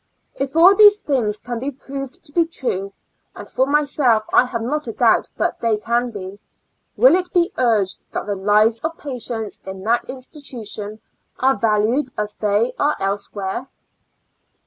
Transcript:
If all these things can be proved to be true — and for myself I have not a doubt but they can be, will it be urged that the lives of patients in that institution are valued as they are else where